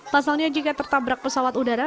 pasalnya jika tertabrak pesawat udara